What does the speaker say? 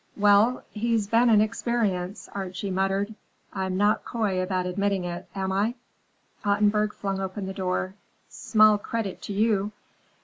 "Well, he's been an experience," Archie muttered. "I'm not coy about admitting it, am I?" Ottenburg flung open the door. "Small credit to you.